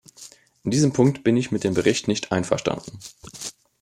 In diesem Punkt bin ich mit dem Bericht nicht einverstanden.